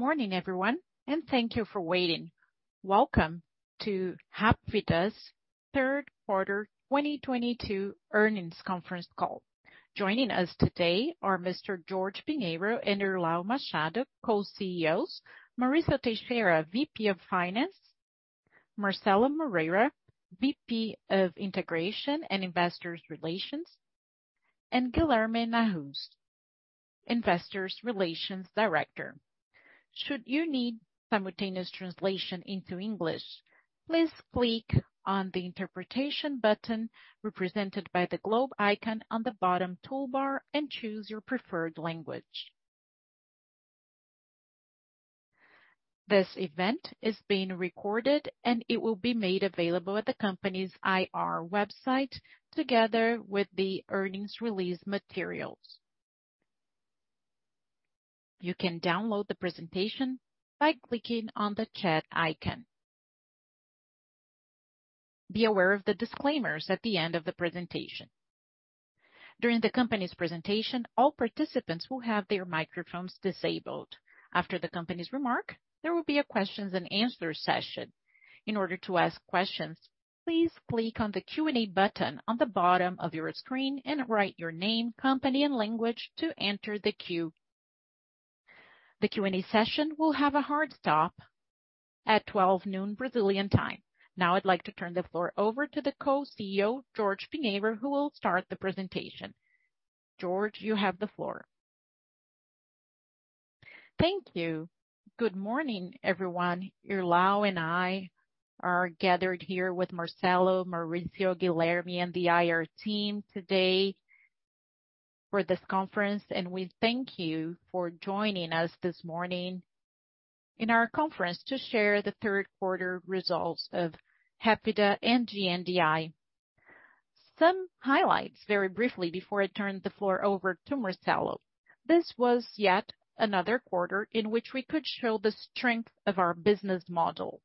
Good morning everyone, and thank you for waiting. Welcome to Hapvida's third quarter 2022 earnings conference call. Joining us today are Mr. Jorge Pinheiro and Irlau Machado Filho, co-CEOs. Maurício Teixeira, VP of Finance. Marcelo Moreira, VP of Integration and Investor Relations. Guilherme Nahuz, Investor Relations Director. Should you need simultaneous translation into English, please click on the interpretation button represented by the globe icon on the bottom toolbar and choose your preferred language. This event is being recorded and it will be made available at the company's IR website together with the earnings release materials. You can download the presentation by clicking on the chat icon. Be aware of the disclaimers at the end of the presentation. During the company's presentation, all participants will have their microphones disabled. After the company's remark, there will be a questions and answer session. In order to ask questions, please click on the Q&A button on the bottom of your screen and write your name, company and language to enter the queue. The Q&A session will have a hard stop at 12:00 P.M. Brazilian time. Now I'd like to turn the floor over to the Co-CEO, Jorge Pinheiro, who will start the presentation. Jorge, you have the floor. Thank you. Good morning, everyone. Irlau and I are gathered here with Marcelo, Mauricio, Guilherme and the IR team today for this conference, and we thank you for joining us this morning in our conference to share the third quarter results of Hapvida and GNDI. Some highlights very briefly before I turn the floor over to Marcelo. This was yet another quarter in which we could show the strength of our business model.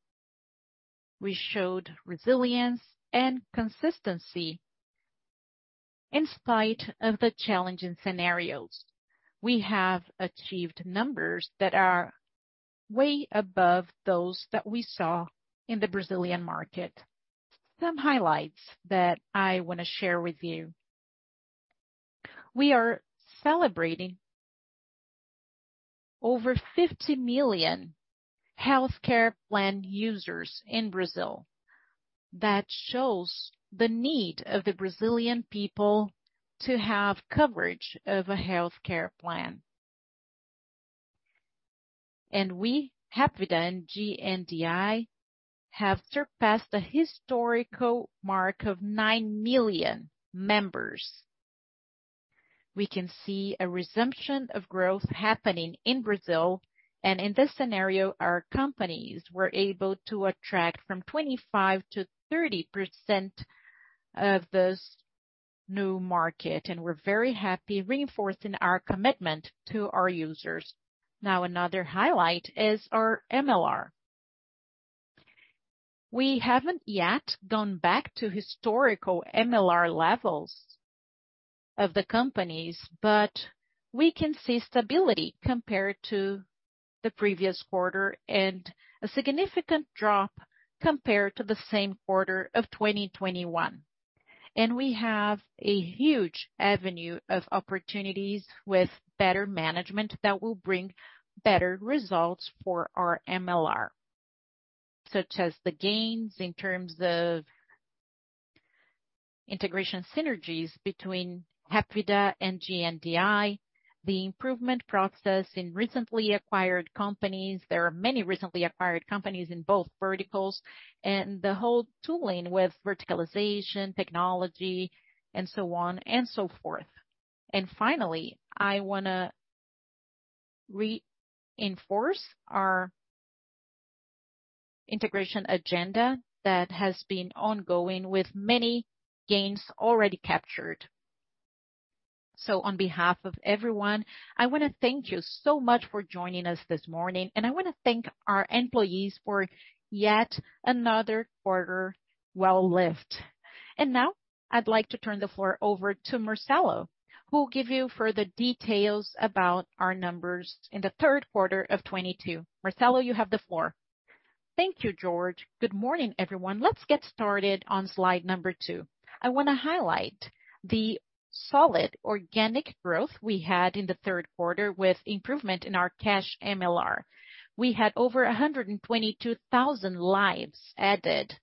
We showed resilience and consistency in spite of the challenging scenarios. We have achieved numbers that are way above those that we saw in the Brazilian market. Some highlights that I wanna share with you. We are celebrating over 50 million healthcare plan users in Brazil. That shows the need of the Brazilian people to have coverage of a healthcare plan. We, Hapvida and GNDI, have surpassed a historical mark of 9 million members. We can see a resumption of growth happening in Brazil. In this scenario, our companies were able to attract from 25%-30% of this new market, and we're very happy reinforcing our commitment to our users. Now, another highlight is our MLR. We haven't yet gone back to historical MLR levels of the companies, but we can see stability compared to the previous quarter, and a significant drop compared to the same quarter of 2021. We have a huge avenue of opportunities with better management that will bring better results for our MLR, such as the gains in terms of integration synergies between Hapvida and GNDI, the improvement process in recently acquired companies. There are many recently acquired companies in both verticals, and the whole tooling with verticalization, technology and so on and so forth. Finally, I wanna reinforce our integration agenda that has been ongoing with many gains already captured. On behalf of everyone, I wanna thank you so much for joining us this morning, and I wanna thank our employees for yet another quarter well-lived. Now I'd like to turn the floor over to Marcelo, who will give you further details about our numbers in the third quarter of 2022. Marcelo, you have the floor. Thank you, Jorge. Good morning, everyone. Let's get started on Slide 2. I wanna highlight the solid organic growth we had in the third quarter with improvement in our cash MLR. We had over 122,000 lives added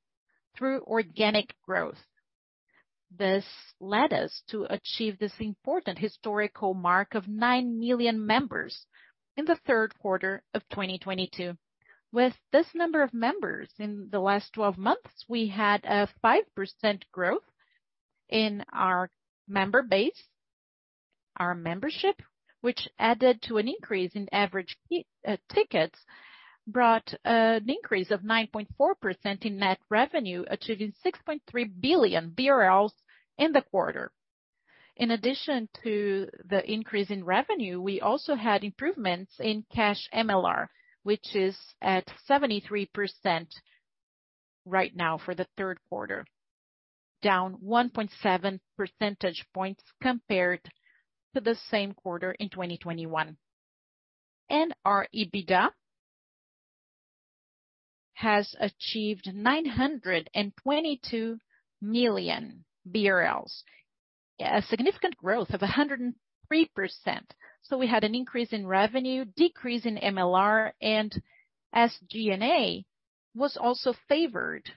through organic growth. This led us to achieve this important historical mark of 9 million members in the third quarter of 2022. With this number of members, in the last 12 months, we had a 5% growth in our member base. Our membership, which added to an increase in average tickets, brought an increase of 9.4% in net revenue, achieving 6.3 billion BRL in the quarter. In addition to the increase in revenue, we also had improvements in cash MLR, which is at 73% right now for the third quarter. Down 1.7 percentage points compared to the same quarter in 2021. Our EBITDA has achieved 922 million BRL. A significant growth of 103%. We had an increase in revenue, decrease in MLR, and SG&A was also favored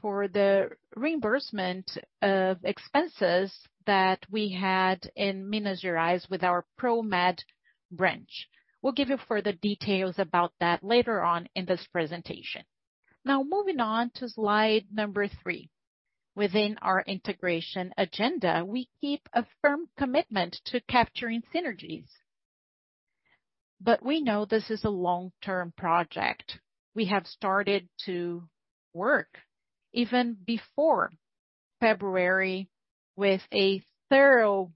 for the reimbursement of expenses that we had in Minas Gerais with our Promed branch. We'll give you further details about that later on in this presentation. Now moving on to Slide 3. Within our integration agenda, we keep a firm commitment to capturing synergies. But we know this is a long-term project. We have started to work even before February with a thorough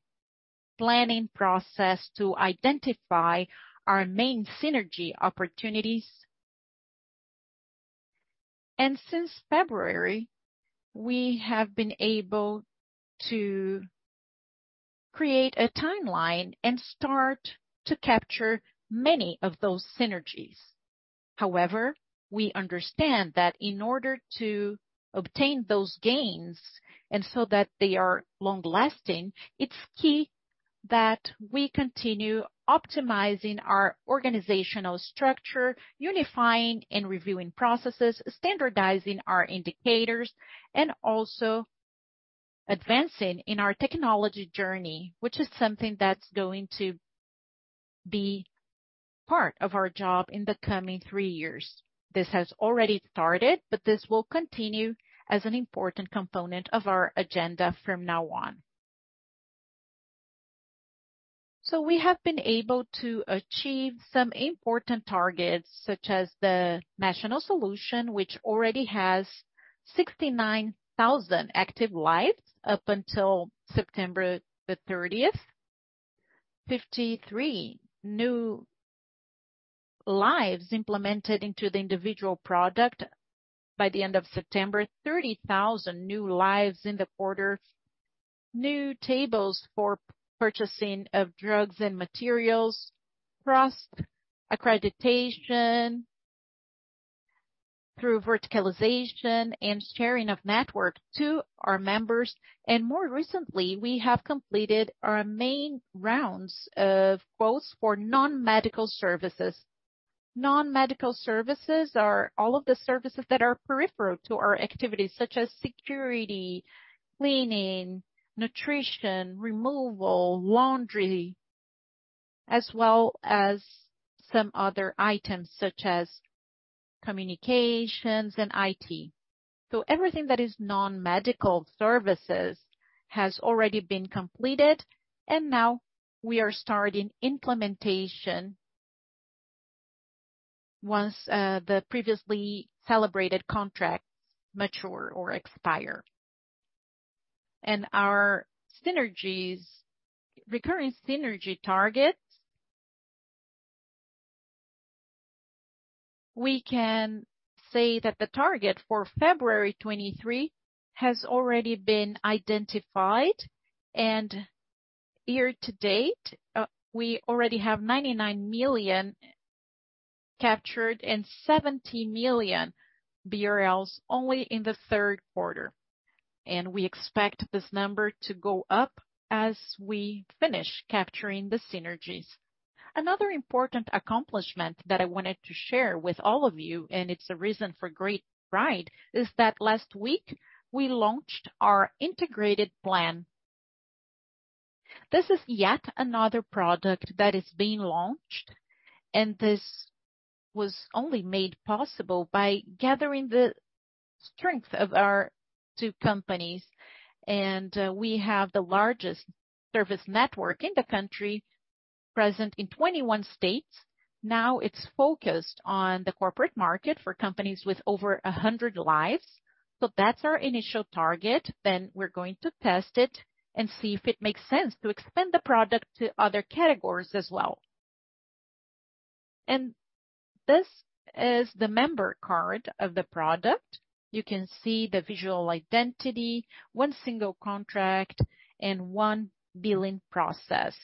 planning process to identify our main synergy opportunities. Since February, we have been able to create a timeline and start to capture many of those synergies. However, we understand that in order to obtain those gains and so that they are long-lasting, it's key that we continue optimizing our organizational structure, unifying and reviewing processes, standardizing our indicators, and also advancing in our technology journey, which is something that's going to be part of our job in the coming 3 years. This has already started, but this will continue as an important component of our agenda from now on. We have been able to achieve some important targets, such as the national solution, which already has 69,000 active lives up until September 30th. 53 new lives implemented into the individual product by the end of September. 30,000 new lives in the quarter. New tables for purchasing of drugs and materials. Trust accreditation through verticalization and sharing of network to our members. More recently, we have completed our main rounds of quotes for non-medical services. Non-medical services are all of the services that are peripheral to our activities, such as security, cleaning, nutrition, removal, laundry, as well as some other items, such as communications and IT. Everything that is non-medical services has already been completed, and now we are starting implementation once the previously celebrated contracts mature or expire. Our synergies, recurring synergy targets, we can say that the target for February 2023 has already been identified. Year to date, we already have 99 million captured and 70 million BRL only in the third quarter. We expect this number to go up as we finish capturing the synergies. Another important accomplishment that I wanted to share with all of you, and it's a reason for great pride, is that last week we launched our integrated plan. This is yet another product that is being launched, and this was only made possible by gathering the strength of our two companies. We have the largest service network in the country, present in 21 states. Now it's focused on the corporate market for companies with over 100 lives. That's our initial target, then we're going to test it and see if it makes sense to expand the product to other categories as well. This is the member card of the product. You can see the visual identity, one single contract, and one billing process.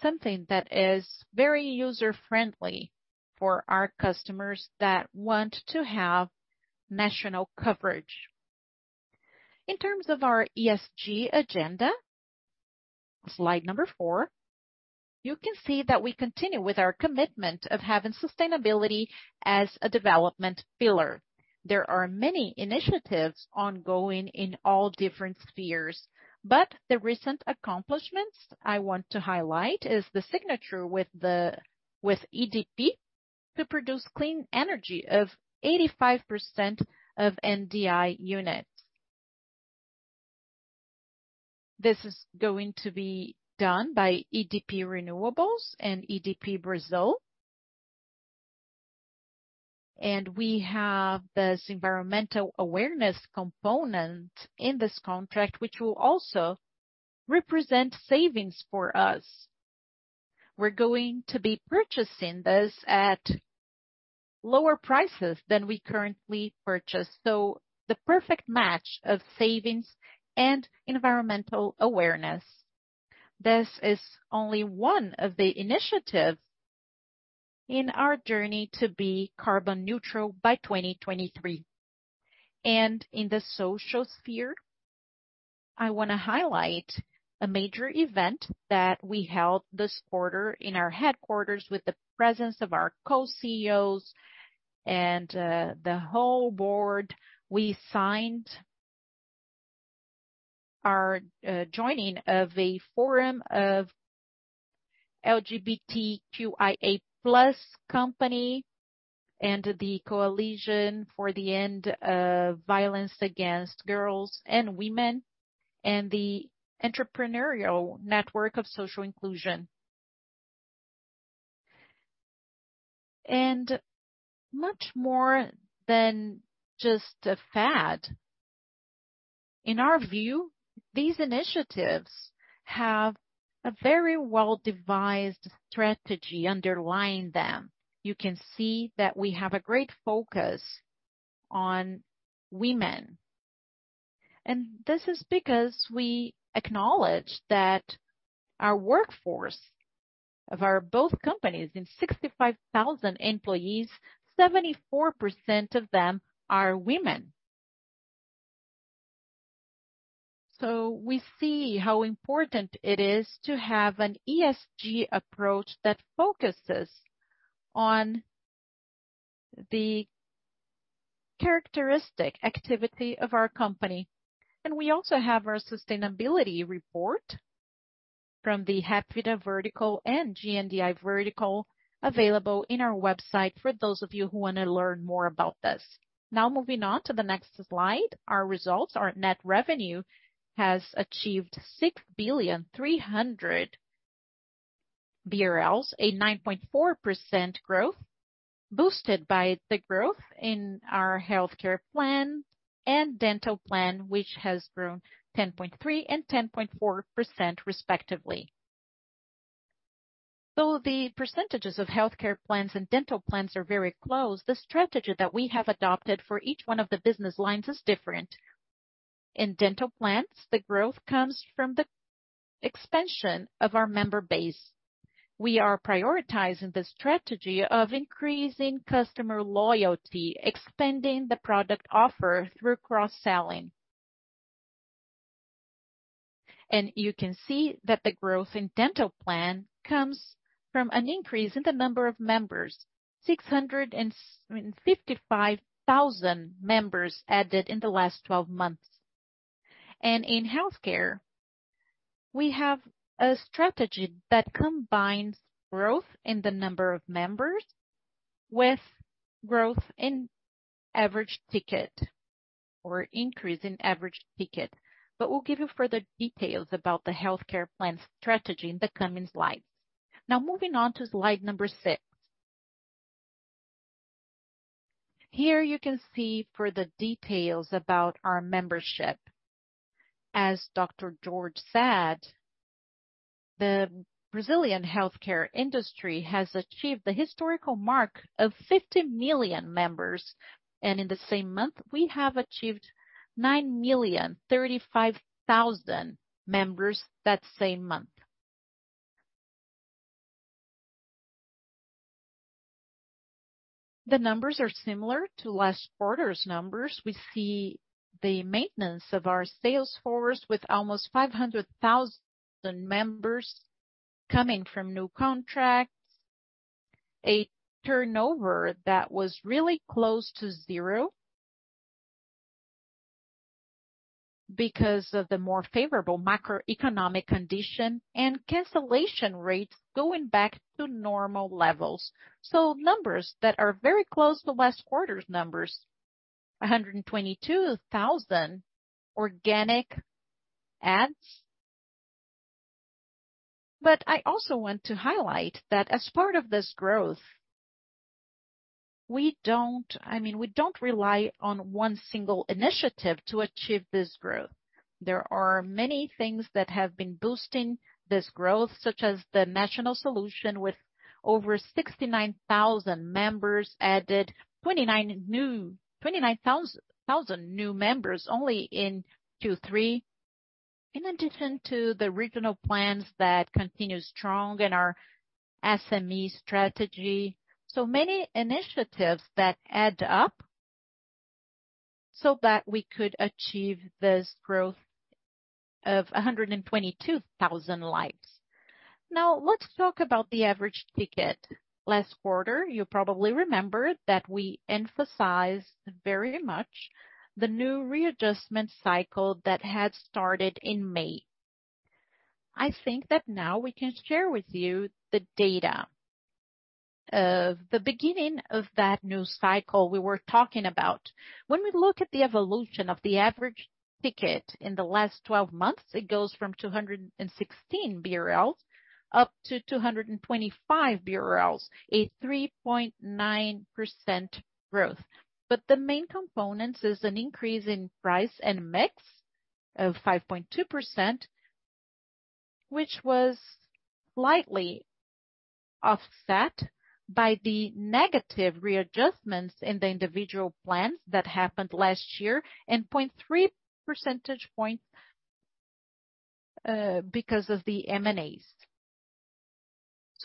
Something that is very user-friendly for our customers that want to have national coverage. In terms of our ESG agenda, Slide 4, you can see that we continue with our commitment of having sustainability as a development pillar. There are many initiatives ongoing in all different spheres, but the recent accomplishments I want to highlight is the signature with EDP to produce clean energy of 85% of GNDI units. This is going to be done by EDP Renewables and EDP Brasil. We have this environmental awareness component in this contract, which will also represent savings for us. We're going to be purchasing this at lower prices than we currently purchase. The perfect match of savings and environmental awareness. This is only one of the initiatives in our journey to be carbon neutral by 2023. In the social sphere, I wanna highlight a major event that we held this quarter in our headquarters with the presence of our co-CEOs and the whole board. We signed our joining of a forum of LGBTQIA+ company and the Coalizão Empresarial pelo Fim da Violência Contra Mulheres e Meninas and the Rede Empresarial de Inclusão Social. Much more than just a fad, in our view, these initiatives have a very well-devised strategy underlying them. You can see that we have a great focus on women, and this is because we acknowledge that our workforce of our both companies in 65,000 employees, 74% of them are women. We see how important it is to have an ESG approach that focuses on the characteristic activity of our company. We also have our sustainability report from the Hapvida vertical and GNDI vertical available in our website for those of you who wanna learn more about this. Now moving on to the next slide, our results. Our net revenue has achieved BRL 6.3 billion, a 9.4% growth, boosted by the growth in our healthcare plan and dental plan, which has grown 10.3% and 10.4% respectively. Though the percentages of healthcare plans and dental plans are very close, the strategy that we have adopted for each one of the business lines is different. In dental plans, the growth comes from the expansion of our member base. We are prioritizing the strategy of increasing customer loyalty, expanding the product offer through cross-selling. You can see that the growth in dental plan comes from an increase in the number of members, 655,000 members added in the last 12 months. In healthcare, we have a strategy that combines growth in the number of members with growth in average ticket or increase in average ticket. We'll give you further details about the healthcare plan strategy in the coming slides. Now moving on to Slide 6. Here you can see further details about our membership. As Dr. Jorge said, the Brazilian healthcare industry has achieved the historical mark of 50 million members, and in the same month, we have achieved 9,035,000 members that same month. The numbers are similar to last quarter's numbers. We see the maintenance of our sales force with almost 500,000 members coming from new contracts. A turnover that was really close to zero. Because of the more favorable macroeconomic condition and cancellation rates going back to normal levels. Numbers that are very close to last quarter's numbers, 122,000 organic adds. I also want to highlight that as part of this growth, we don't. I mean, we don't rely on one single initiative to achieve this growth. There are many things that have been boosting this growth, such as the national solution with over 69,000 members added, 29,000 new members only in Q3. In addition to the regional plans that continue strong in our SME strategy. Many initiatives that add up so that we could achieve this growth of 122,000 lives. Now, let's talk about the average ticket. Last quarter, you probably remember that we emphasized very much the new readjustment cycle that had started in May. I think that now we can share with you the data of the beginning of that new cycle we were talking about. When we look at the evolution of the average ticket in the last 12 months, it goes from 216 BRL up to 225 BRL, a 3.9% growth. The main components is an increase in price and mix of 5.2%, which was slightly offset by the negative readjustments in the individual plans that happened last year and 0.3 percentage point because of the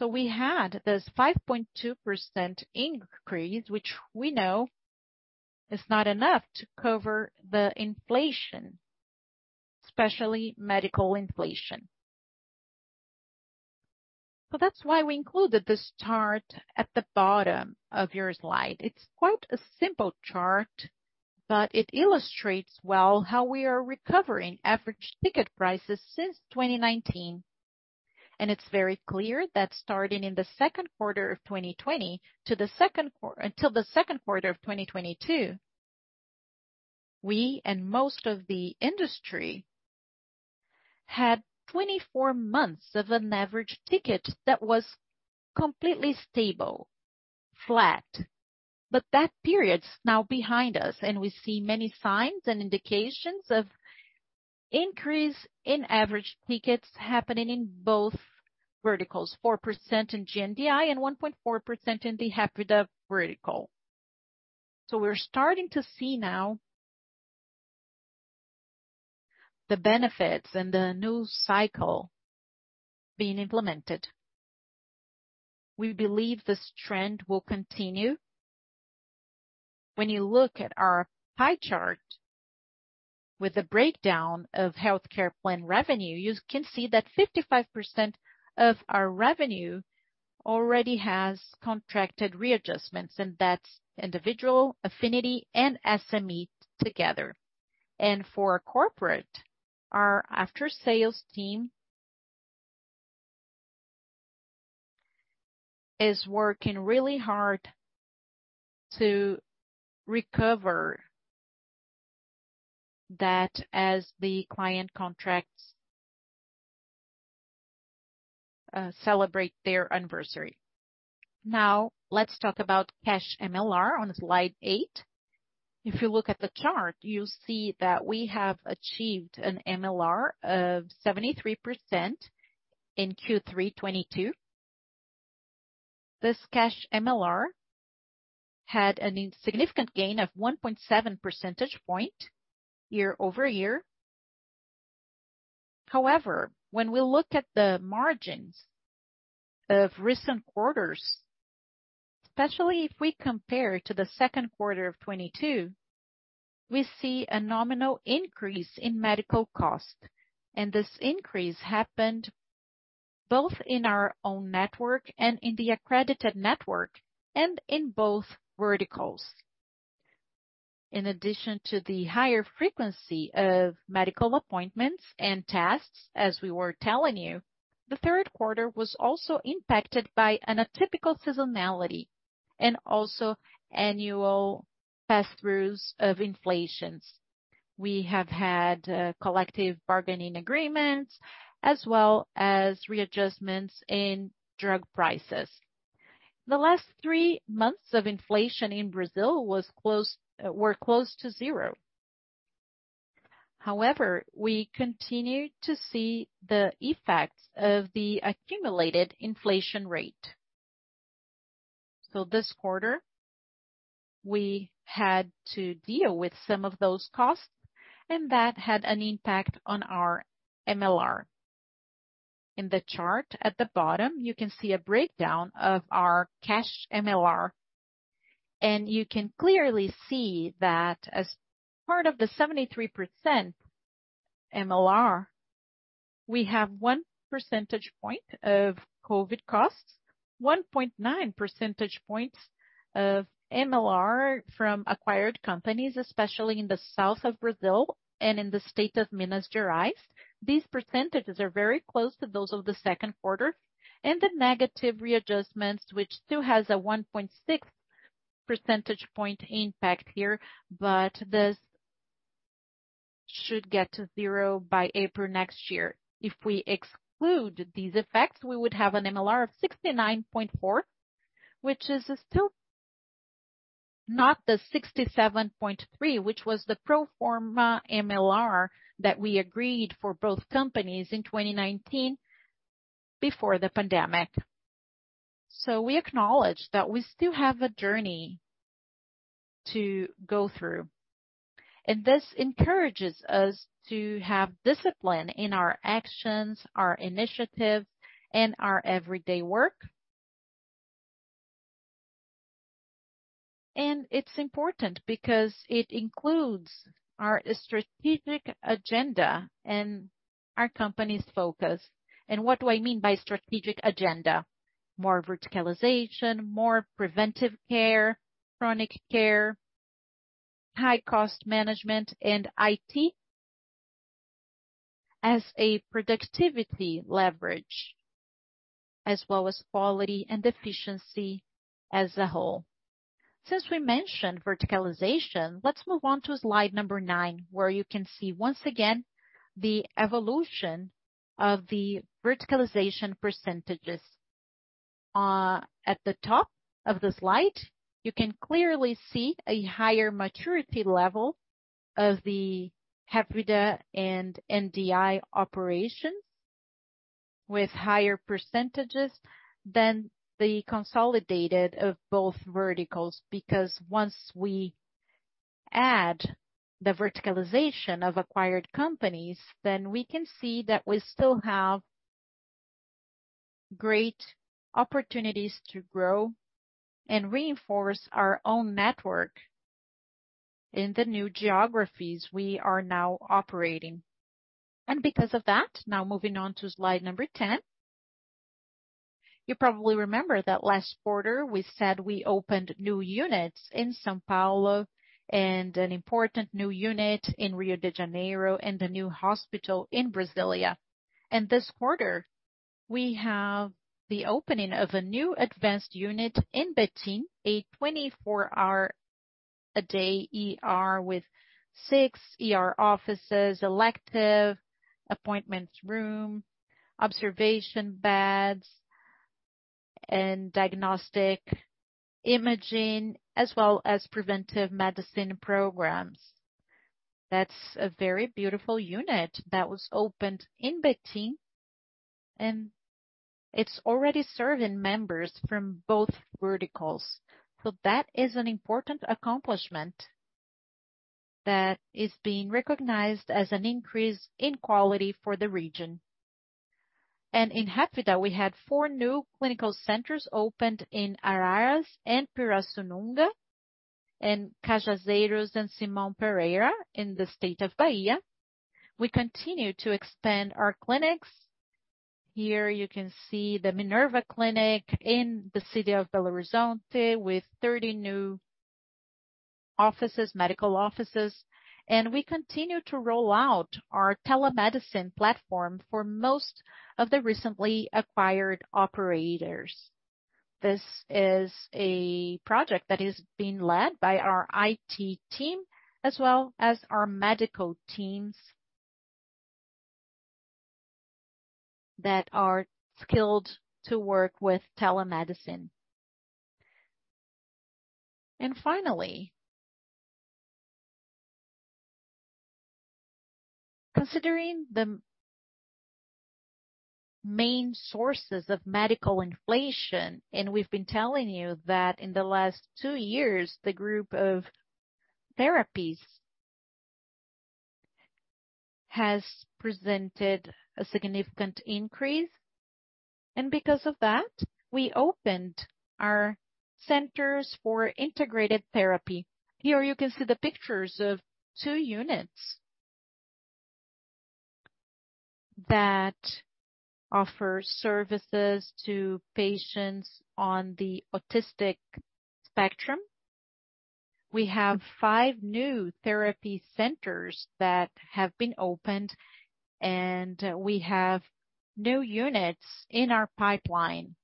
M&As. We had this 5.2% increase, which we know is not enough to cover the inflation, especially medical inflation. That's why we included this chart at the bottom of your slide. It's quite a simple chart, but it illustrates well how we are recovering average ticket prices since 2019. It's very clear that starting in the second quarter of 2020 until the second quarter of 2022, we and most of the industry had 24 months of an average ticket that was completely stable, flat. That period's now behind us, and we see many signs and indications of increase in average tickets happening in both verticals, 4% in GNDI and 1.4% in the Hapvida vertical. We're starting to see now the benefits and the new cycle being implemented. We believe this trend will continue. When you look at our pie chart with a breakdown of healthcare plan revenue, you can see that 55% of our revenue already has contracted readjustments, and that's individual, affinity, and SME together. For corporate, our after-sales team is working really hard to recover that as the client contracts celebrate their anniversary. Now let's talk about cash MLR on Slide 8. If you look at the chart, you'll see that we have achieved an MLR of 73% in Q3 2022. This cash MLR had a significant gain of 1.7 percentage points year-over-year. However, when we look at the margins of recent quarters, especially if we compare to the second quarter of 2022, we see a nominal increase in medical cost. This increase happened both in our own network and in the accredited network and in both verticals. In addition to the higher frequency of medical appointments and tests, as we were telling you, the third quarter was also impacted by an atypical seasonality and also annual pass-throughs of inflation. We have had collective bargaining agreements as well as readjustments in drug prices. The last three months of inflation in Brazil were close to zero. However, we continue to see the effects of the accumulated inflation rate. This quarter, we had to deal with some of those costs, and that had an impact on our MLR. In the chart at the bottom, you can see a breakdown of our cash MLR. You can clearly see that as part of the 73% MLR, we have 1 percentage point of COVID costs, 1.9 percentage points of MLR from acquired companies, especially in the south of Brazil and in the state of Minas Gerais. These percentages are very close to those of the second quarter. The negative readjustments, which still has a 1.6 percentage point impact here, but this should get to zero by April next year. If we exclude these effects, we would have an MLR of 69.4, which is still not the 67.3, which was the pro forma MLR that we agreed for both companies in 2019 before the pandemic. We acknowledge that we still have a journey to go through, and this encourages us to have discipline in our actions, our initiatives, and our everyday work. It's important because it includes our strategic agenda and our company's focus. What do I mean by strategic agenda? More verticalization, more preventive care, chronic care, high-cost management, and IT as a productivity leverage, as well as quality and efficiency as a whole. Since we mentioned verticalization, let's move on to Slide 9, where you can see once again the evolution of the verticalization percentages. At the top of the slide, you can clearly see a higher maturity level of the Hapvida and NDI operations with higher percentages than the consolidated of both verticals. Because once we add the verticalization of acquired companies, then we can see that we still have great opportunities to grow and reinforce our own network in the new geographies we are now operating. Because of that, now moving on to Slide 10. You probably remember that last quarter we said we opened new units in São Paulo and an important new unit in Rio de Janeiro and a new hospital in Brasília. This quarter we have the opening of a new advanced unit in Betim, a 24-hour-a-day ER with 6 ER offices, elective appointments room, observation beds and diagnostic imaging, as well as preventive medicine programs. That's a very beautiful unit that was opened in Betim, and it's already serving members from both verticals. That is an important accomplishment that is being recognized as an increase in quality for the region. In Hapvida we had 4 new clinical centers opened in Araras and Pirassununga and Cachoeira and Simões Filho in the state of Bahia. We continue to extend our clinics. Here you can see the Clínica e Diagnóstico Minerva in the city of Belo Horizonte with 30 new offices, medical offices. We continue to roll out our telemedicine platform for most of the recently acquired operators. This is a project that is being led by our IT team as well as our medical teams that are skilled to work with telemedicine. Finally considering the main sources of medical inflation, and we've been telling you that in the last two years, the group of therapies has presented a significant increase. Because of that, we opened our centers for integrated therapy. Here you can see the pictures of two units that offer services to patients on the autistic spectrum. We have 5 new therapy centers that have been opened, and we have new units in our pipeline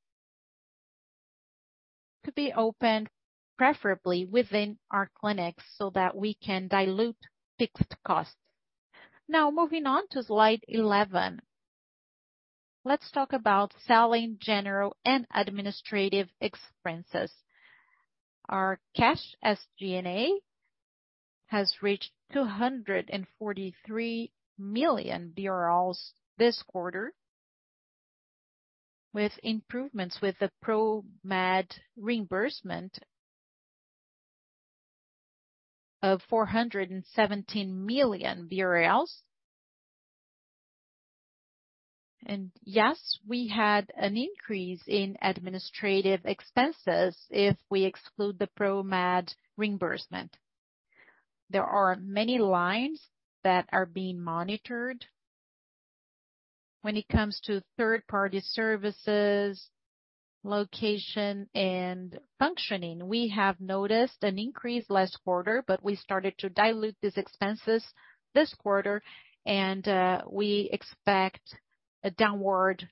to be opened preferably within our clinics, so that we can dilute fixed costs. Now, moving on to Slide 11. Let's talk about selling general and administrative expenses. Our cash SG&A has reached 243 million BRL this quarter with improvements with the Promed reimbursement of BRL 417 million. Yes, we had an increase in administrative expenses if we exclude the Promed reimbursement. There are many lines that are being monitored when it comes to third-party services, location and functioning. We have noticed an increase last quarter, but we started to dilute these expenses this quarter and we expect a downward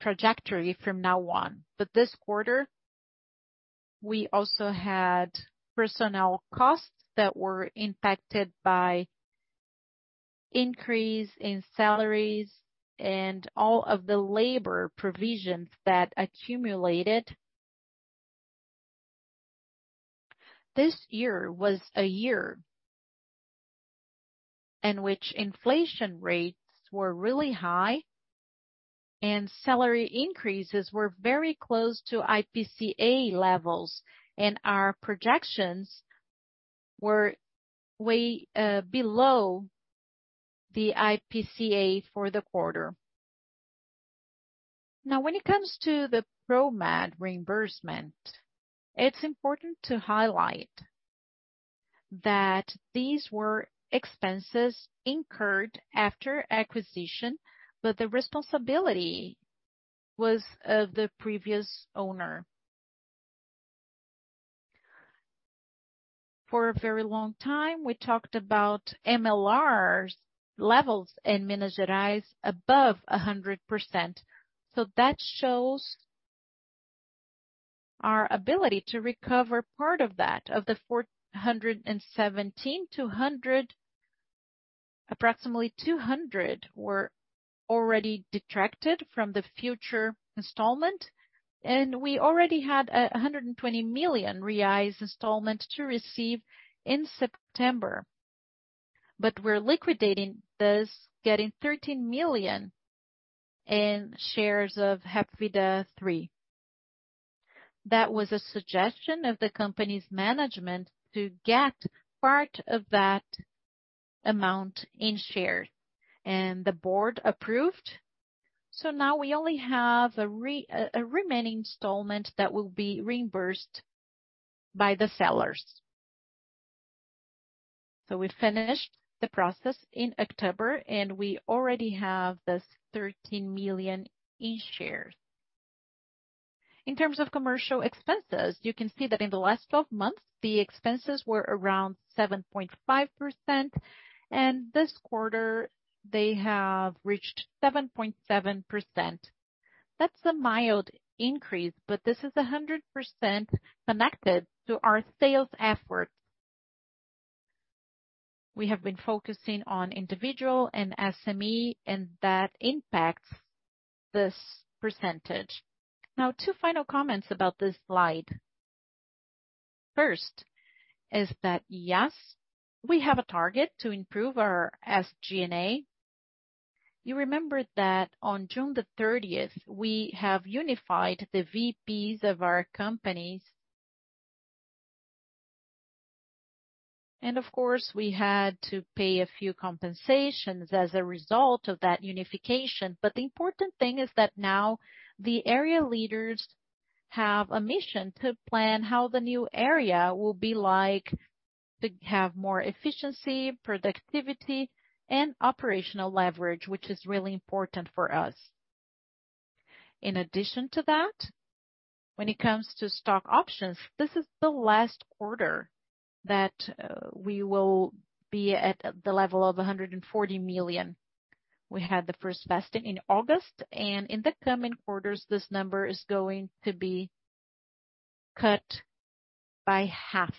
trajectory from now on. This quarter we also had personnel costs that were impacted by increase in salaries and all of the labor provisions that accumulated. This year was a year in which inflation rates were really high and salary increases were very close to IPCA levels, and our projections were way below the IPCA for the quarter. Now, when it comes to the Promed reimbursement, it's important to highlight that these were expenses incurred after acquisition, but the responsibility was of the previous owner. For a very long time, we talked about MLR levels in Minas Gerais above 100%. That shows our ability to recover part of that. Of the 417 million, approximately 200 million were already detracted from the future installment, and we already had a 120 million reais installment to receive in September. We're liquidating this, getting 13 million in shares of HAPV3. That was a suggestion of the company's management to get part of that amount in share, and the board approved. Now we only have a remaining installment that will be reimbursed by the sellers. We finished the process in October, and we already have this 13 million in shares. In terms of commercial expenses, you can see that in the last 12 months, the expenses were around 7.5%, and this quarter they have reached 7.7%. That's a mild increase, but this is 100% connected to our sales efforts. We have been focusing on individual and SME, and that impacts this percentage. Now, two final comments about this slide. First, is that, yes, we have a target to improve our SG&A. You remember that on June 30th, we have unified the VPs of our companies. Of course, we had to pay a few compensations as a result of that unification. The important thing is that now the area leaders have a mission to plan how the new area will be like to have more efficiency, productivity, and operational leverage, which is really important for us. In addition to that, when it comes to stock options, this is the last quarter that we will be at the level of 140 million. We had the first vesting in August, and in the coming quarters, this number is going to be cut by half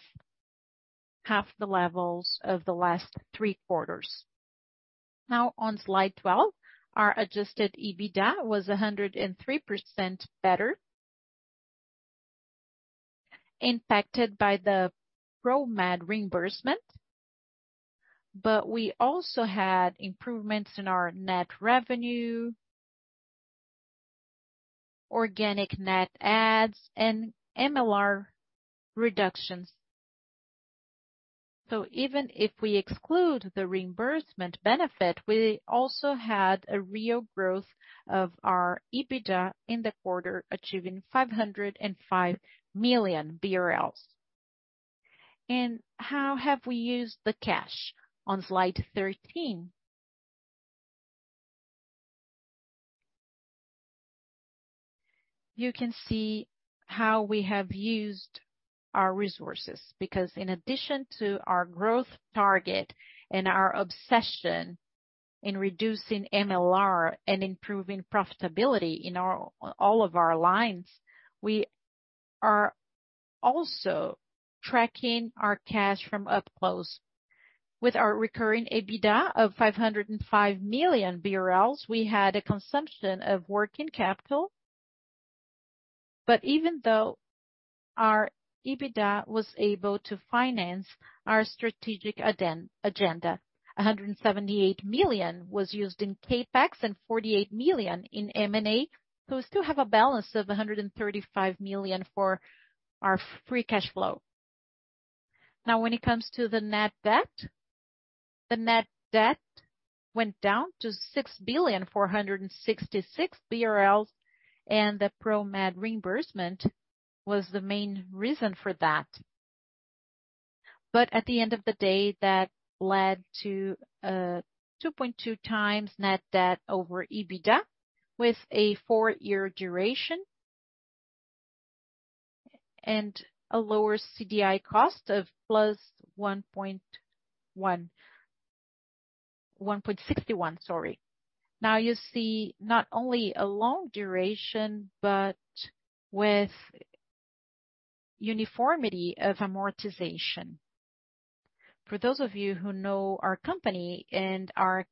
the levels of the last three quarters. Now on Slide 12, our Adjusted EBITDA was 103% better, impacted by the Promed reimbursement. We also had improvements in our net revenue, organic net adds and MLR reductions. Even if we exclude the reimbursement benefit, we also had a real growth of our EBITDA in the quarter, achieving 505 million BRL. How have we used the cash? On Slide 13. You can see how we have used our resources, because in addition to our growth target and our obsession in reducing MLR and improving profitability in our, all of our lines, we are also tracking our cash from up close. With our recurring EBITDA of 505 million BRL, we had a consumption of working capital. Even though our EBITDA was able to finance our strategic agenda, 178 million was used in CapEx and 48 million in M&A. We still have a balance of 135 million for our free cash flow. Now, when it comes to the net debt, the net debt went down to 6.466 billion, and the Promed reimbursement was the main reason for that. At the end of the day, that led to a 2.2x Net Debt over EBITDA, with a 4-year duration and a lower CDI cost of +1.1. +1.61. Sorry. Now you see not only a long duration, but with uniformity of amortization. For those of you who know our company and our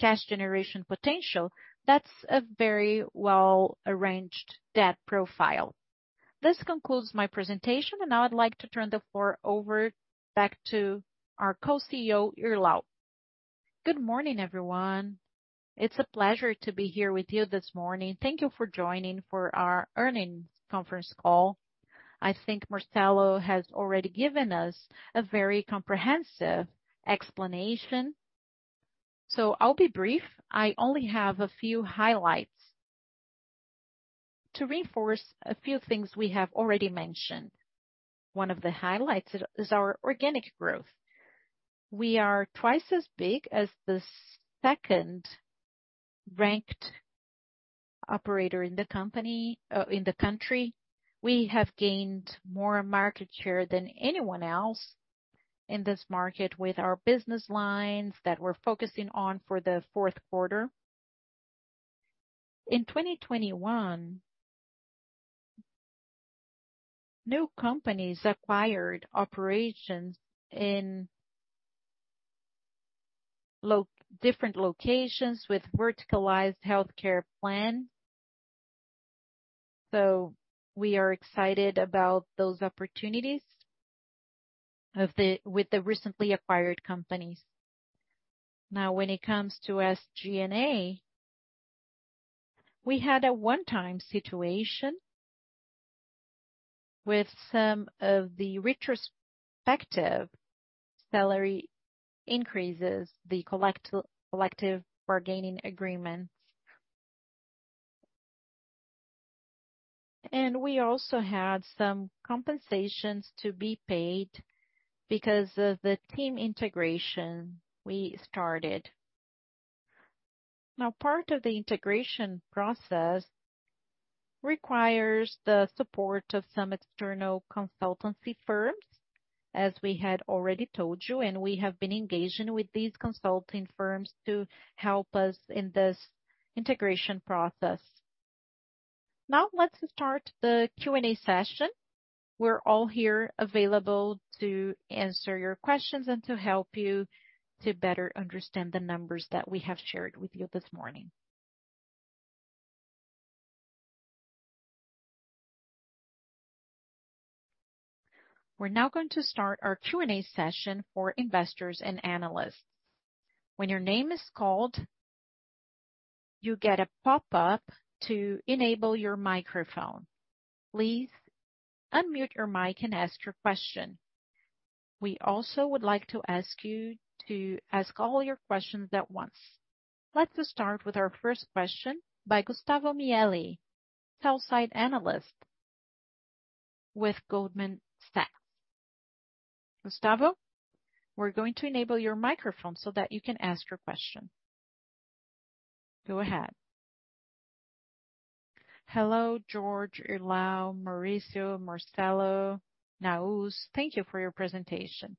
cash generation potential, that's a very well-arranged debt profile. This concludes my presentation, and now I'd like to turn the floor over back to our co-CEO, Irlau. Good morning, everyone. It's a pleasure to be here with you this morning. Thank you for joining for our earnings conference call. I think Marcelo has already given us a very comprehensive explanation. I'll be brief. I only have a few highlights to reinforce a few things we have already mentioned. One of the highlights is our organic growth. We are twice as big as the second-ranked operator in the country. We have gained more market share than anyone else in this market with our business lines that we're focusing on for the fourth quarter. In 2021 new companies acquired operations in different locations with verticalized healthcare plan. We are excited about those opportunities with the recently acquired companies. Now, when it comes to SG&A, we had a one-time situation with some of the retrospective salary increases, the collective bargaining agreements. We also had some compensations to be paid because of the team integration we started. Now, part of the integration process requires the support of some external consultancy firms, as we had already told you, and we have been engaging with these consulting firms to help us in this integration process. Now let's start the Q&A session. We're all here available to answer your questions and to help you to better understand the numbers that we have shared with you this morning. We're now going to start our Q&A session for investors and analysts. When your name is called, you get a pop-up to enable your microphone. Please unmute your mic and ask your question. We also would like to ask you to ask all your questions at once. Let's start with our first question by Gustavo Miele, Sell-side Analyst with Goldman Sachs. Gustavo, we're going to enable your microphone so that you can ask your question. Go ahead. Hello, Jorge, Irlau, Mauricio, Marcelo, Nahuz. Thank you for your presentation.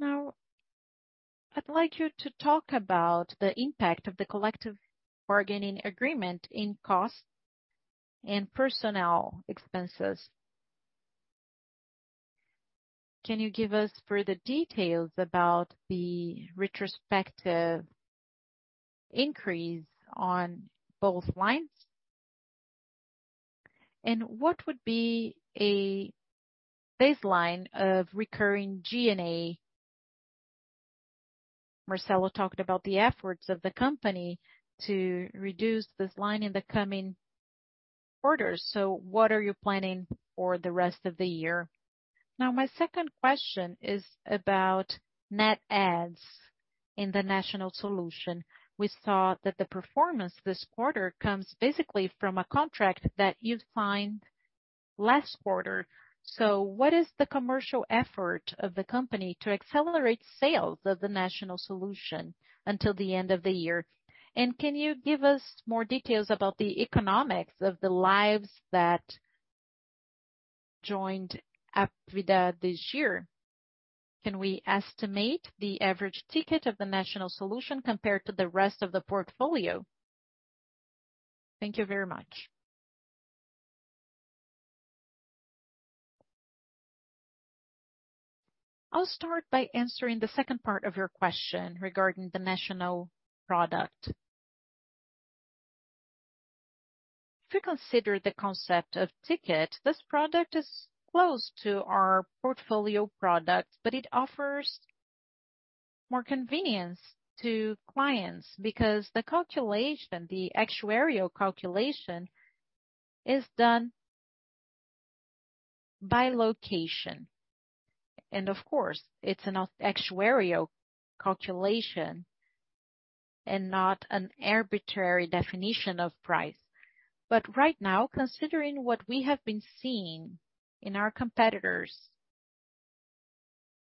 Now, I'd like you to talk about the impact of the collective bargaining agreement in cost and personnel expenses. Can you give us further details about the retrospective increase on both lines? What would be a baseline of recurring G&A? Marcelo talked about the efforts of the company to reduce this line in the coming quarters. What are you planning for the rest of the year? Now, my second question is about net adds in the national solution. We saw that the performance this quarter comes basically from a contract that you've signed last quarter. What is the commercial effort of the company to accelerate sales of the national solution until the end of the year? Can you give us more details about the economics of the lives that joined Hapvida this year? Can we estimate the average ticket of the national solution compared to the rest of the portfolio? Thank you very much. I'll start by answering the second part of your question regarding the national product. If you consider the concept of ticket, this product is close to our portfolio product, but it offers more convenience to clients because the calculation, the actuarial calculation, is done by location. Of course, it's an actuarial calculation and not an arbitrary definition of price. Right now, considering what we have been seeing in our competitors,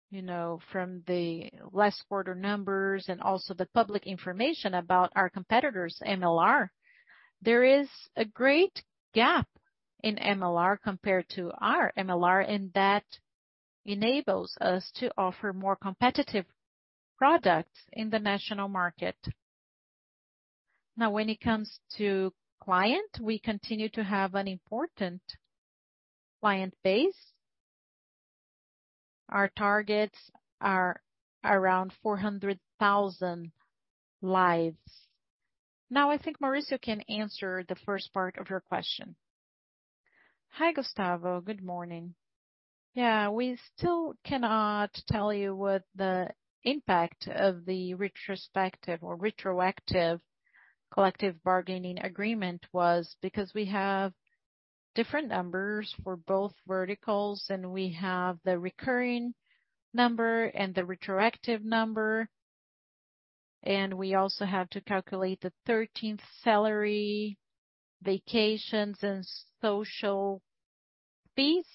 you know, from the last quarter numbers and also the public information about our competitors' MLR, there is a great gap in MLR compared to our MLR, and that enables us to offer more competitive products in the national market. When it comes to client, we continue to have an important client base. Our targets are around 400,000 lives. Now, I think Mauricio can answer the first part of your question. Hi, Gustavo. Good morning. Yeah, we still cannot tell you what the impact of the retrospective or retroactive collective bargaining agreement was because we have different numbers for both verticals, and we have the recurring number and the retroactive number. We also have to calculate the thirteenth salary, vacations, and social fees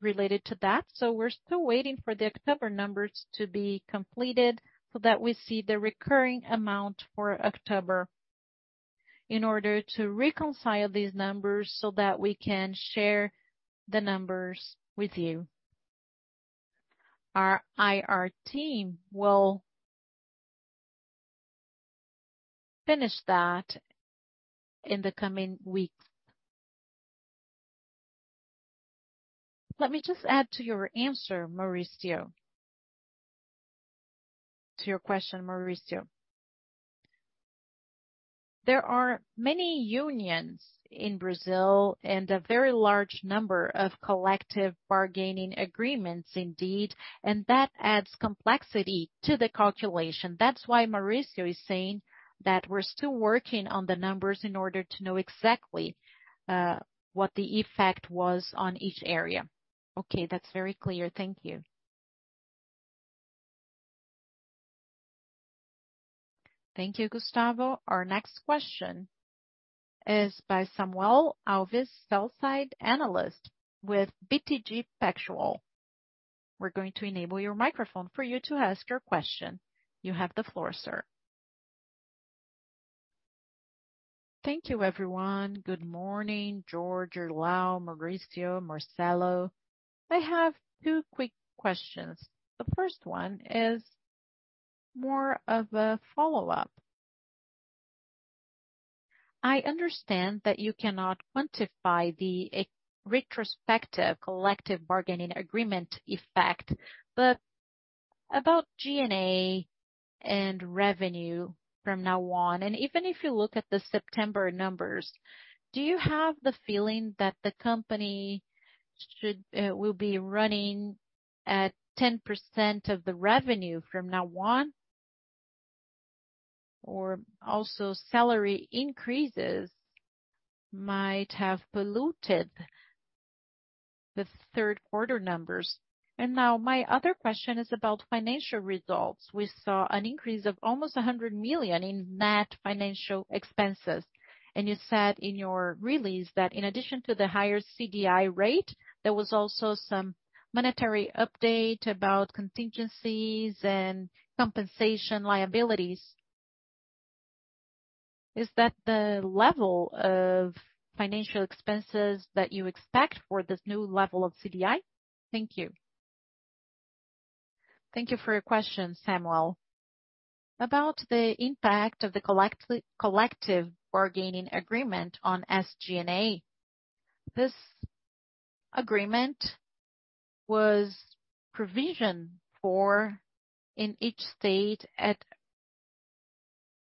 related to that. We're still waiting for the October numbers to be completed so that we see the recurring amount for October in order to reconcile these numbers so that we can share the numbers with you. Our IR team will finish that in the coming weeks. Let me just add to your answer, Mauricio. To your question, Mauricio. There are many unions in Brazil and a very large number of collective bargaining agreements indeed, and that adds complexity to the calculation. That's why Mauricio is saying that we're still working on the numbers in order to know exactly, what the effect was on each area. Okay. That's very clear. Thank you. Thank you, Gustavo. Our next question is by Samuel Alves, sell-side analyst with BTG Pactual. We're going to enable your microphone for you to ask your question. You have the floor, sir. Thank you, everyone. Good morning, Jorge, Irlau, Mauricio, Marcelo. I have two quick questions. The first one is more of a follow-up. I understand that you cannot quantify the retrospective collective bargaining agreement effect, but about G&A and revenue from now on, and even if you look at the September numbers, do you have the feeling that the company should will be running at 10% of the revenue from now on? Or also salary increases might have polluted the third quarter numbers. Now my other question is about financial results. We saw an increase of almost 100 million in net financial expenses. You said in your release that in addition to the higher CDI rate, there was also some monetary update about contingencies and compensation liabilities. Is that the level of financial expenses that you expect for this new level of CDI? Thank you. Thank you for your question, Samuel. About the impact of the collective bargaining agreement on SG&A, this agreement was provisioned for in each state at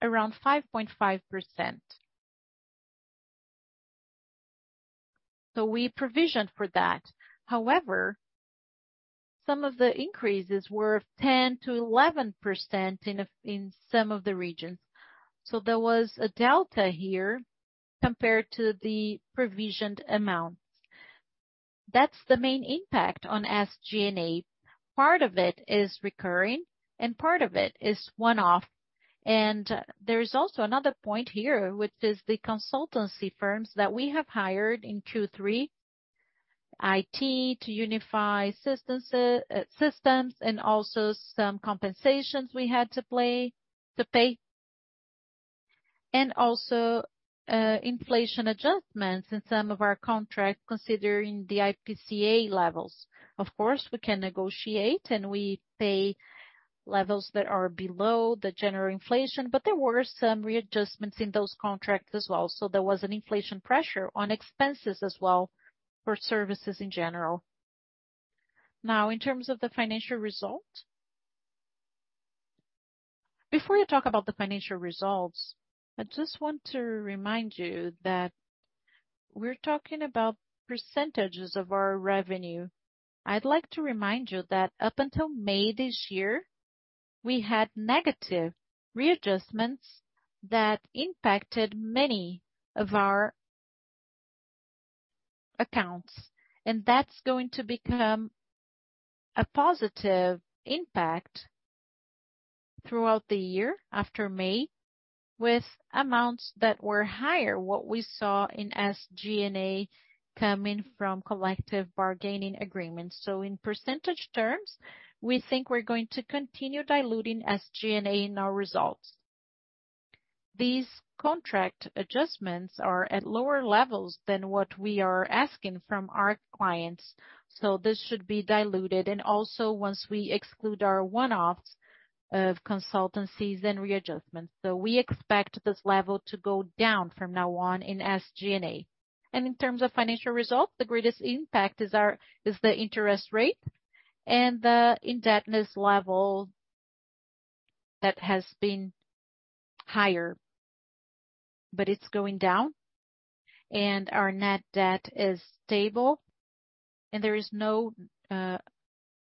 around 5.5%. We provisioned for that. Some of the increases were 10%-11% in some of the regions. There was a delta here compared to the provisioned amount. That's the main impact on SG&A. Part of it is recurring, and part of it is one-off. There is also another point here, which is the consultancy firms that we have hired in Q3, IT to unify systems, and also some compensations we had to pay. Also, inflation adjustments in some of our contracts considering the IPCA levels. Of course, we can negotiate and we pay levels that are below the general inflation, but there were some readjustments in those contracts as well. There was an inflation pressure on expenses as well for services in general. Now, in terms of the financial result. Before you talk about the financial results, I just want to remind you that we're talking about percentages of our revenue. I'd like to remind you that up until May this year, we had negative readjustments that impacted many of our accounts. That's going to become a positive impact throughout the year after May, with amounts that were higher what we saw in SG&A coming from collective bargaining agreements. In percentage terms, we think we're going to continue diluting SG&A in our results. These contract adjustments are at lower levels than what we are asking from our clients, so this should be diluted. Also once we exclude our one-offs of consultancies and readjustments. We expect this level to go down from now on in SG&A. In terms of financial results, the greatest impact is the interest rate and the indebtedness level that has been higher, but it's going down. Our net debt is stable, and there is no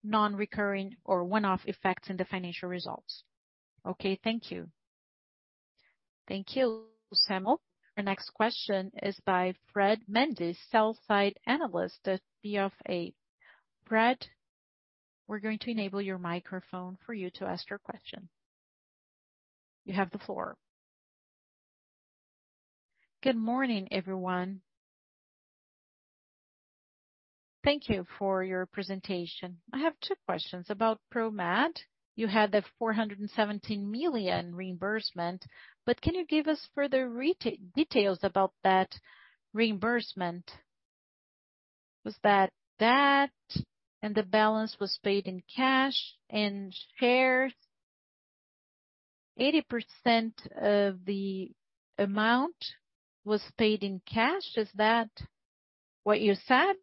non-recurring or one-off effects in the financial results. Okay. Thank you. Thank you, Samuel. Our next question is by Fred Mendes, Sell-side Analyst at BofA. Fred, we're going to enable your microphone for you to ask your question. You have the floor. Good morning, everyone. Thank you for your presentation. I have two questions. About Promed, you had the 417 million reimbursement, but can you give us further details about that reimbursement. Was that, and the balance was paid in cash and shares. 80% of the amount was paid in cash. Is that what you said?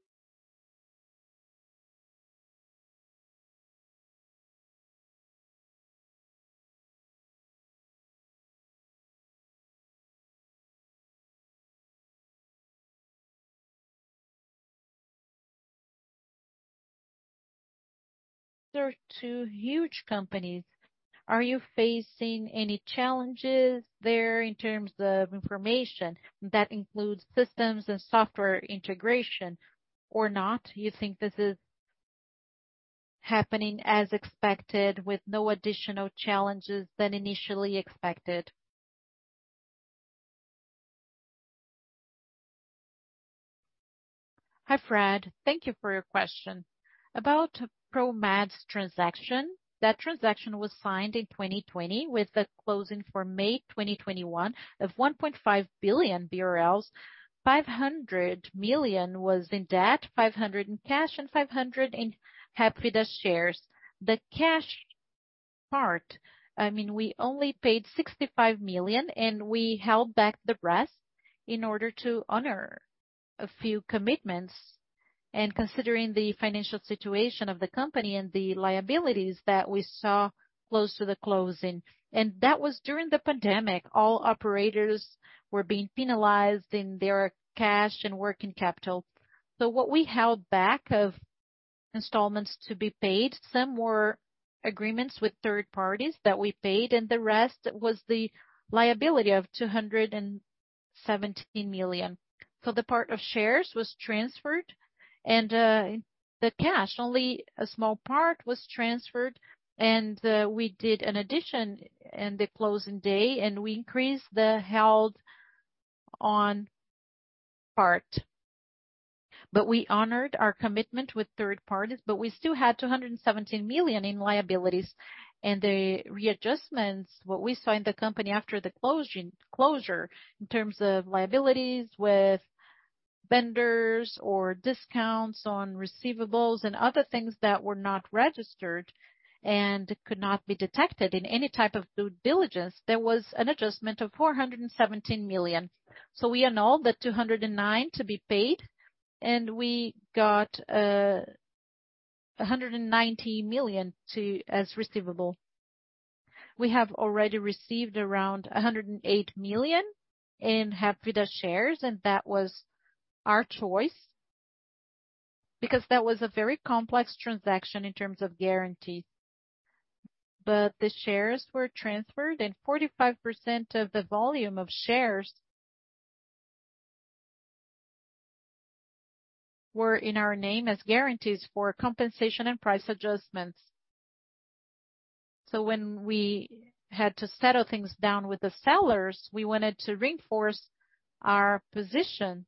There are two huge companies. Are you facing any challenges there in terms of information that includes systems and software integration or not? You think this is happening as expected with no additional challenges than initially expected? Hi, Fred. Thank you for your question. About Promed transaction. That transaction was signed in 2020, with the closing for May 2021 of 1.5 billion BRL. 500 million was in debt, 500 million in cash, and 500 million in Hapvida shares. The cash part, I mean, we only paid 65 million and we held back the rest in order to honor a few commitments and considering the financial situation of the company and the liabilities that we saw close to the closing. That was during the pandemic. All operators were being penalized in their cash and working capital. What we held back of installments to be paid, some were agreements with third parties that we paid, and the rest was the liability of 217 million. The part of shares was transferred and, the cash, only a small part was transferred and, we did an addition in the closing day and we increased the held on part. We honored our commitment with third parties. We still had 217 million in liabilities and the readjustments, what we saw in the company after the closing closure, in terms of liabilities with vendors or discounts on receivables and other things that were not registered and could not be detected in any type of due diligence. There was an adjustment of 417 million. We annulled the 209 million to be paid, and we got 190 million as receivable. We have already received around 108 million in Hapvida shares, and that was our choice, because that was a very complex transaction in terms of guarantees. The shares were transferred and 45% of the volume of shares were in our name as guarantees for compensation and price adjustments. When we had to settle things down with the sellers, we wanted to reinforce our position,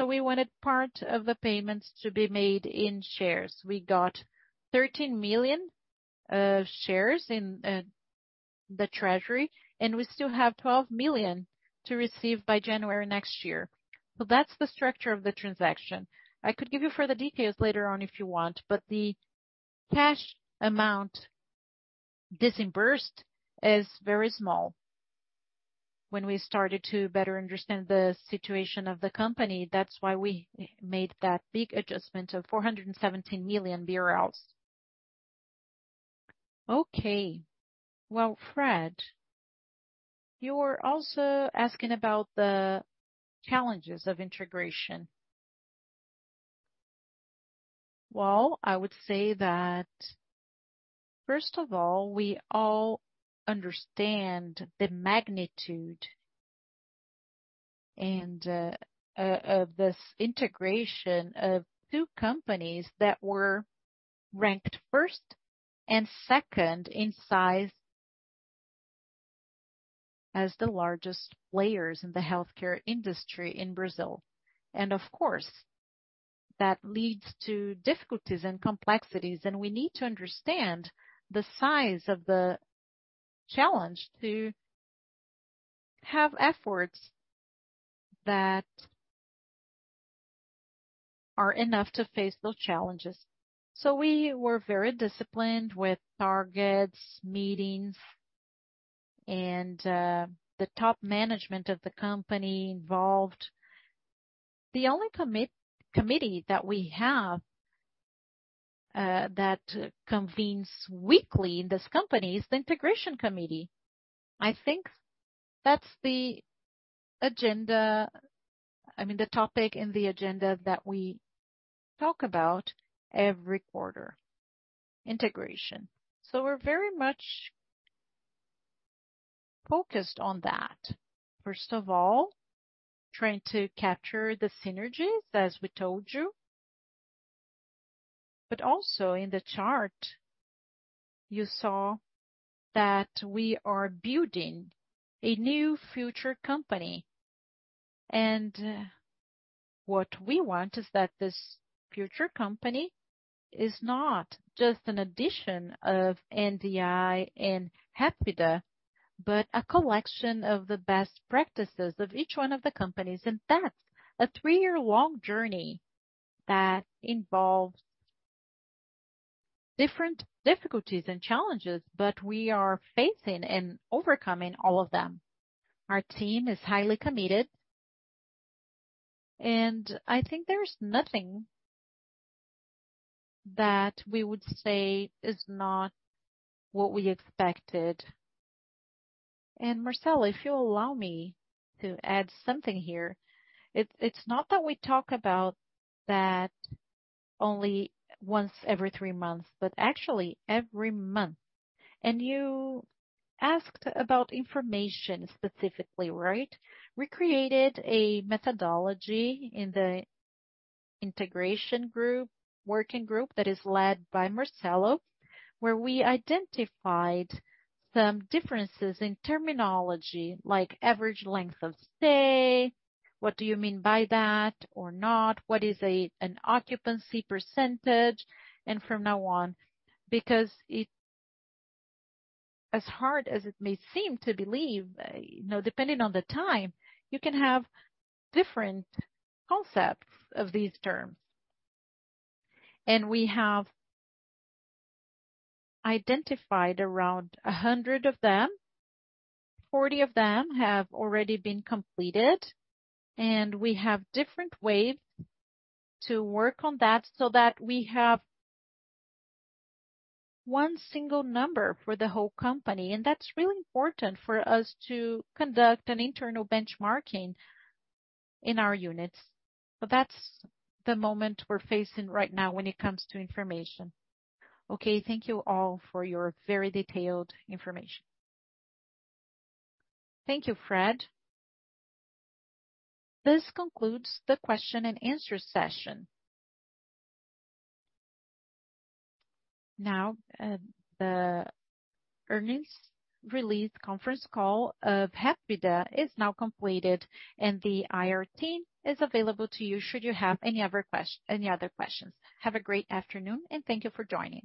so we wanted part of the payments to be made in shares. We got 13 million shares in the treasury, and we still have 12 million to receive by January next year. That's the structure of the transaction. I could give you further details later on if you want, but the cash amount disbursed is very small. When we started to better understand the situation of the company, that's why we made that big adjustment of 417 million BRL. Okay. Well, Fred, you're also asking about the challenges of integration. Well, I would say that, first of all, we all understand the magnitude and of this integration of two companies that were ranked first and second in size as the largest players in the healthcare industry in Brazil. And of course, that leads to difficulties and complexities, and we need to understand the size of the challenge to have efforts that are enough to face those challenges. We were very disciplined with targets, meetings and the top management of the company involved. The only committee that we have that convenes weekly in this company is the integration committee. I think that's the agenda. I mean, the topic in the agenda that we talk about every quarter. Integration. We're very much focused on that. First of all, trying to capture the synergies as we told you. Also in the chart you saw that we are building a new future company. What we want is that this future company is not just an addition of GNDI and Hapvida but a collection of the best practices of each one of the companies, and that's a three-year-long journey that involves different difficulties and challenges, but we are facing and overcoming all of them. Our team is highly committed, and I think there's nothing that we would say is not what we expected. Marcelo, if you allow me to add something here. It's not that we talk about that only once every three months, but actually every month. You asked about information specifically, right? We created a methodology in the integration group, working group that is led by Marcelo, where we identified some differences in terminology like average length of stay, what do you mean by that or not? What is an occupancy percentage and from now on. Because, as hard as it may seem to believe, you know, depending on the time, you can have different concepts of these terms. We have identified around 100 of them. 40 of them have already been completed, and we have different ways to work on that so that we have one single number for the whole company. That's really important for us to conduct an internal benchmarking in our units. That's the moment we're facing right now when it comes to information. Okay, thank you all for your very detailed information. Thank you, Fred. This concludes the question and answer session. Now, the earnings release conference call of Hapvida is now completed, and the IR team is available to you should you have any other questions. Have a great afternoon, and thank you for joining.